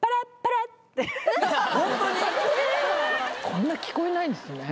・こんな聞こえないんですね